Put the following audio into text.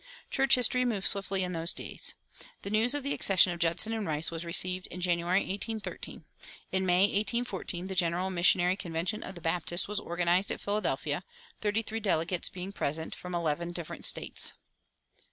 Church history moved swiftly in those days. The news of the accession of Judson and Rice was received in January, 1813. In May, 1814, the General Missionary Convention of the Baptists was organized at Philadelphia, thirty three delegates being present, from eleven different States.